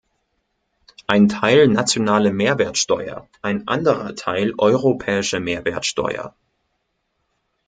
Ein Teil nationale Mehrwertsteuer, ein anderer Teil europäische Mehrwertsteuer.